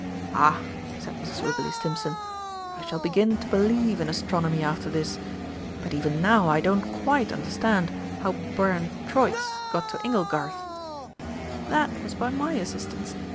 "Ah," said Mrs. Wibberley Stimpson, "I shall begin to believe in Astronomy after this. But even now I don't quite understand how Baron Troitz got to 'Inglegarth.'" "That was by my assistance.